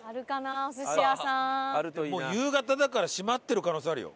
もう夕方だから閉まってる可能性あるよ。